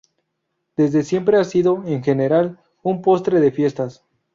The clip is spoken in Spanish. Desde siempre ha sido, en general, un postre de fiestas.